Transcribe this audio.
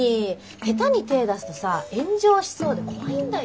下手に手出すとさ炎上しそうで怖いんだよ。